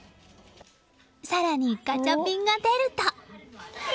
更にガチャピンが出ると。